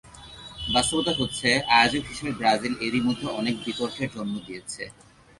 বাস্তবতা হচ্ছে, আয়োজক হিসেবে ব্রাজিল এরই মধ্যে অনেক বিতর্কের জন্ম দিয়েছে।